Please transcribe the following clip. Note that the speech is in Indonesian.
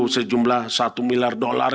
sejumlah satu miliar dolar